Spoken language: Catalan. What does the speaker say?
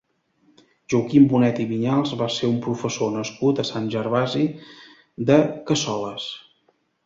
Joaquim Bonet i Vinyals va ser un professor nascut a Sant Gervasi de Cassoles.